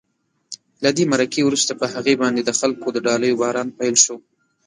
له دې مرکې وروسته په هغې باندې د خلکو د ډالیو باران پیل شو.